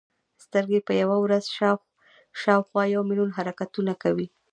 سترګې په یوه ورځ شاوخوا یو ملیون حرکتونه کوي.